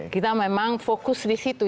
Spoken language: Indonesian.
kita memang fokus di situ